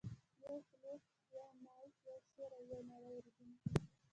یو کلیک، یو مایک، یو شعر، او یوه نړۍ اورېدونکي.